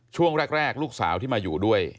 ช่วงแรกลูกสาวที่มาอยู่ด้วย